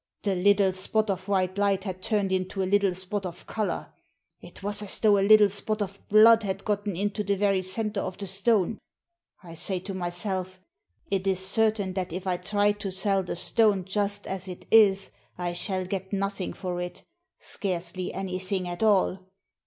The little spot of white light had turned into a little spot of colour. It was as though a little spot of blood had got into the very centre of the stone. I say to myself, *It is certain that if I try to sell the stone just as it is I shall get nothing for it — scarcely anything at all.